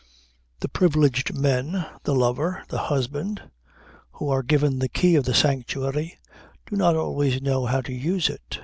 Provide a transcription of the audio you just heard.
The privileged men, the lover, the husband, who are given the key of the sanctuary do not always know how to use it.